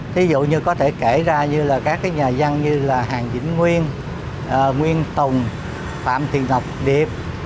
thí dụ như có thể kể ra như là các cái nhà dân như là hàng vĩnh nguyên nguyên tùng phạm thị ngọc điệp